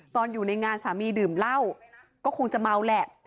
ตอนอยู่ในงานสามีดื่มเหล้าก็คงจะเมาแหละ